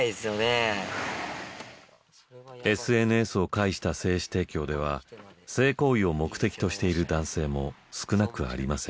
ＳＮＳを介した精子提供では性行為を目的としている男性も少なくありません。